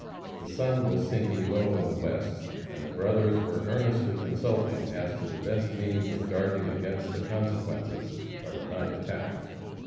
The sun was sinking low in the west, and the brothers were earnestly consulting as to the best means of guarding against the consequences of a night attack.